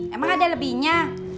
emang ada lebihnya